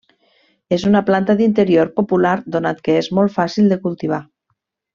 És una planta d'interior popular donat que és molt fàcil de cultivar.